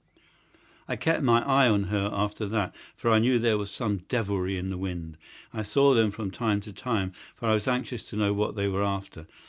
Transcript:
I kept my eye on her after that, for I knew there was some devilry in the wind. I saw them from time to time, for I was anxious to know what they were after.